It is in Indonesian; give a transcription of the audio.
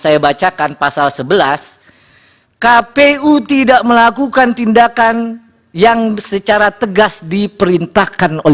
ini inti pelanggaran pasal sebelas